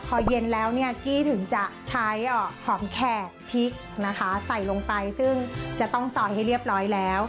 พอเย็นแล้วเนี่ยกี้ถึงจะใช้หอมแขกพริกนะคะใส่ลงไปซึ่งจะต้องซอยให้เรียบร้อยแล้ว